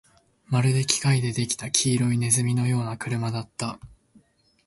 まるで機械で出来た黄色い鼠のような車だった